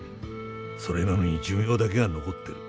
それなのに寿命だけが残ってる」